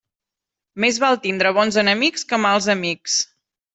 Més val tindre bons enemics que mals amics.